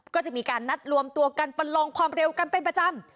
ก็จะมีการนัดรวมตัวกันประลองความเร็วกันเป็นประจำ